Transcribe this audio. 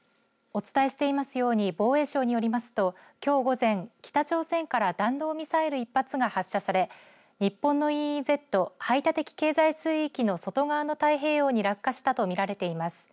お伝えしていますように防衛省によりますときょう午前、北朝鮮から弾道ミサイル１発が発射され日本のＥＥＺ排他的経済水域の外側の太平洋に落下したと見られています。